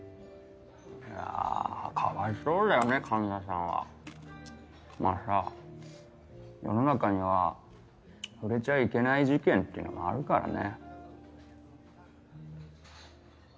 いやかわいそうだよね神田さんはまぁさ世の中には触れちゃいけない事件っていうのもあるからね